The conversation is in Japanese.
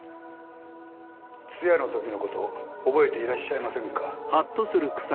通夜のときのこと覚えていらっしゃいませんか？